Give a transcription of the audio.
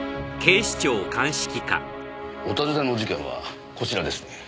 お尋ねの事件はこちらですね。